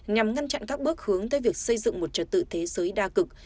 nhằm ngăn chặn các bước hướng tới việc xây dựng một trật tự thế giới đa cực